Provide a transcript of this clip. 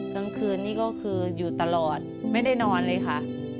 กลางคืนนี้ก็คืออยู่ตลอดไม่ได้นอนเลยค่ะ